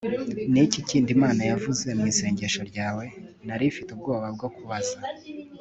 ni iki kindi imana yavuze mu isengesho ryawe? nari mfite ubwoba bwo kubaza